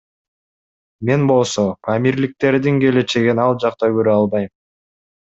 Мен болсо, памирликтердин келечегин ал жакта көрө албайм.